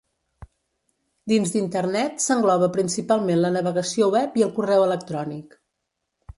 Dins d'Internet s'engloba principalment la navegació web i el correu electrònic.